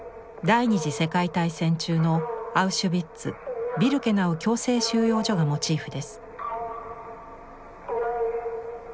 第２次世界大戦中のアウシュビッツ＝ビルケナウ強制収容所がモチーフです。